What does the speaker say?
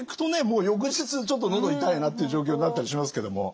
もう翌日ちょっと喉痛いなという状況になったりしますけども。